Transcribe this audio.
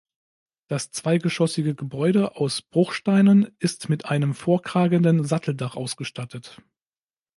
Das zweigeschossige Gebäude aus Bruchsteinen ist mit einem vorkragenden Satteldach ausgestattet.